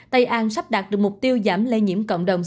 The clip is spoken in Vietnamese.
tây an sắp đạt được mục tiêu giảm lây nhiễm cộng đồng